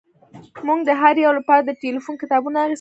موږ د هر یو لپاره د ټیلیفون کتابونه اخیستي دي